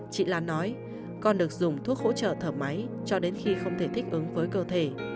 chị lan nói con được dùng thuốc hỗ trợ thở máy cho đến khi không thể thích ứng với cơ thể